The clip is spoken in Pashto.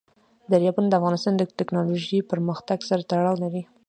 دریابونه د افغانستان د تکنالوژۍ پرمختګ سره تړاو لري.